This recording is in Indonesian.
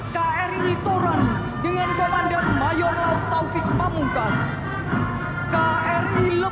kri yosudarso dengan komandan kolonel lawan trisatria yang akan melaksanakan tembakan gansalu